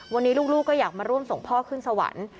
วันนี้ลูกก็อยากมาร่วมส่งพ่อขึ้นสวรรค์